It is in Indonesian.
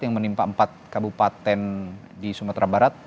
yang menimpa empat kabupaten di sumatera barat